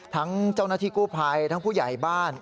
เจ้าหน้าที่กู้ภัยทั้งผู้ใหญ่บ้าน